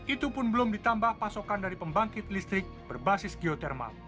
itu pun belum ditambah pasokan dari pembangkit listrik berbasis geotermal